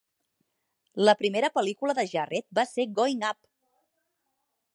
La primera pel·lícula de Jarret va ser Going Ape!